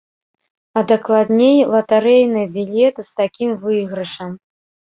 А дакладней латарэйны білет з такім выйгрышам.